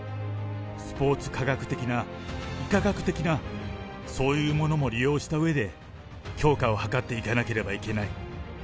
スポーツ科学的な、医科学的な、そういうものも利用したうえで、強化を図っていかなければいけない。